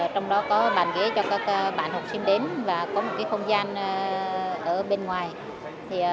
trong đó có bàn ghế cho các bạn học sinh đến và có một không gian ở bên ngoài